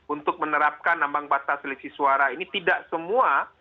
untuk menerapkan ambang batas selisih suara ini tidak semua